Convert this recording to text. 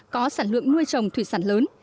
có sản lượng nuôi trồng thủy sản lớn